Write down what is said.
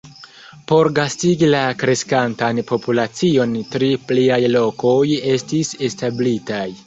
Por gastigi la kreskantan populacion tri pliaj lokoj estis establitaj.